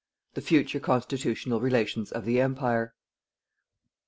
THE FUTURE CONSTITUTIONAL RELATIONS OF THE EMPIRE.